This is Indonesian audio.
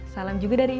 salam juga dari imas